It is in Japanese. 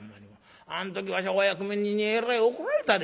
あん時わしはお役人にえらい怒られたで。